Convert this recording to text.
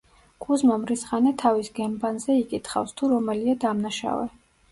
კუზმა მრისხანე თავის გემბანზე იკითხავს, თუ რომელია დამნაშავე.